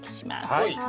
はい。